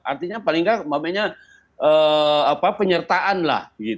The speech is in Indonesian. artinya paling tidak maksudnya penyertaan lah